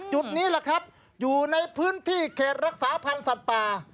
จุดนี้แหละครับอยู่ในพื้นที่เขตรักษาพันธ์สัตว์ป่า